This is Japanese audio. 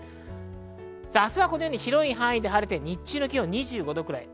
明日は広い範囲で晴れて日中の気温２５度くらい。